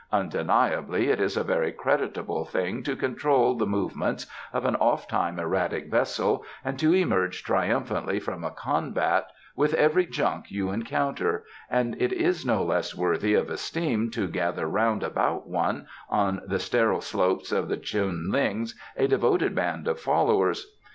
Undeniably it is a very creditable thing to control the movements of an ofttime erratic vessel and to emerge triumphantly from a combat with every junk you encounter, and it is no less worthy of esteem to gather round about one, on the sterile slopes of the Chunlings, a devoted band of followers.